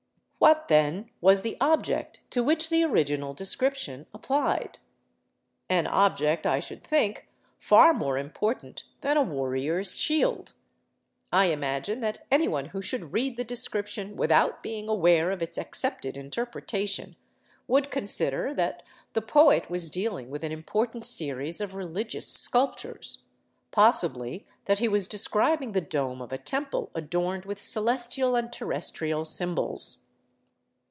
What, then, was the object to which the original description applied? An object, I should think, far more important than a warrior's shield. I imagine that anyone who should read the description without being aware of its accepted interpretation, would consider that the poet was dealing with an important series of religious sculptures, possibly that he was describing the dome of a temple adorned with celestial and terrestrial symbols.